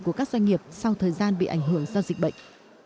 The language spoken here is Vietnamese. của các doanh nghiệp sau thời gian bị ảnh hưởng do dịch bệnh